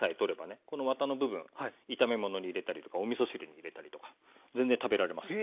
このワタの部分炒め物に入れたりとかおみそ汁に入れたりとか全然食べられますのでね。